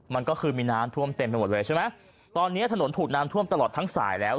มันก็คือมีน้ำท่วมเต็มไปหมดเลยใช่ไหมตอนนี้ถนนถูกน้ำท่วมตลอดทั้งสายแล้ว